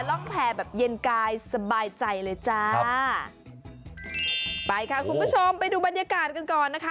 ร่องแผ่แบบเย็นกายสบายใจเลยจ้าไปค่ะคุณผู้ชมไปดูบรรยากาศกันก่อนนะคะ